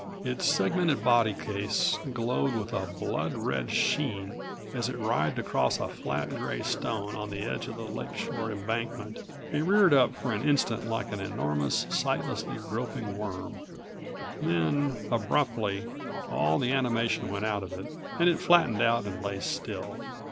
Its segmented body case glowed with a blood red sheen as it writhed across a flat gray stone on the edge of the lakeshore embankment, and reared up for an instant like an enormous, sightlessly groping worm. Then, abruptly, all the animation went out of it, and it flattened out and lay still.